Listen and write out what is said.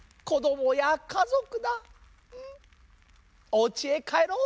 おうちへかえろう。